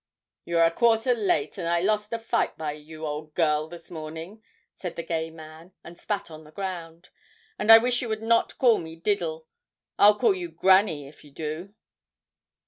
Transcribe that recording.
'You're a quarter late, and I lost a fight by you, old girl, this morning,' said the gay man, and spat on the ground; 'and I wish you would not call me Diddle. I'll call you Granny if you do.'